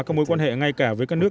các mối quan hệ ngay cả với các nước